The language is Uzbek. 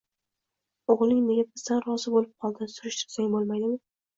O`g`ling nega birdan rozi bo`lib qoldi, surishtirsang bo`lmaydimi